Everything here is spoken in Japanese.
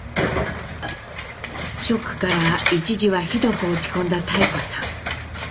ショックから一時はひどく落ち込んだ妙子さん。